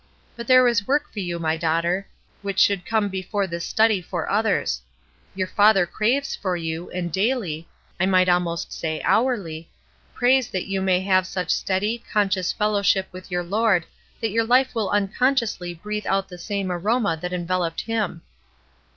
But there is work for you, my daughter, which should come before this study for others. Your father craves for you, and daily — I might almost say hourly — prays that you may have such steady, conscious fellowship with your Lord that your hfe will unconsciously breathe out the same aroma that enveloped Him."